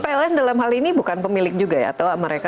pln dalam hal ini bukan pemilik juga ya atau mereka